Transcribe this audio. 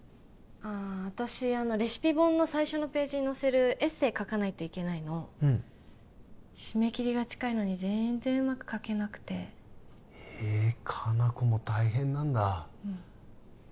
ああ私あのレシピ本の最初のページに載せるエッセイ書かないといけないのうん締め切りが近いのにぜーんぜんうまく書けなくてえ果奈子も大変なんだうん